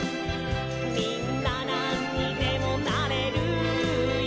「みんななんにでもなれるよ！」